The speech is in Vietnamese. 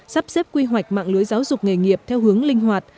sắp xếp quy hoạch mạng lưới giáo dục nghề nghiệp theo hướng linh hoạt